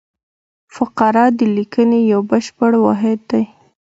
فقره د لیکني یو بشپړ واحد دئ.